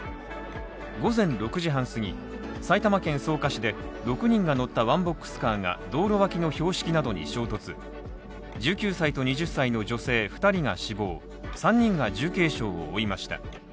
午前６時半すぎ、埼玉県草加市で６人が乗ったワンボックスカーが道路脇の標識などに衝突、１９歳と２０才の女性２人が死亡、３人が重軽傷を負いました。